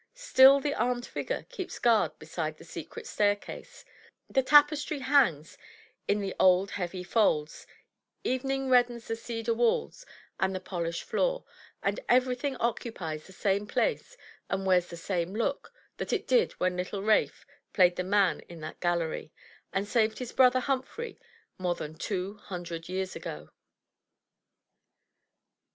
Still the armed figure keeps guard beside the secret staircase, the tapestry hangs in the old heavy folds, evening reddens the cedar walls and the polished floor, and everything occupies the same place and wears the same look that it did when little Rafe played the man in that gallery, and saved his brother Humphrey, more than two hundred years ago.